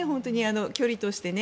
距離としてね。